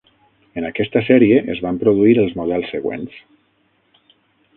En aquesta sèrie es van produir els models següents.